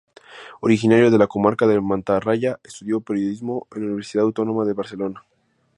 Originario de la comarca del Matarraña estudió periodismo en la Universidad Autónoma de Barcelona.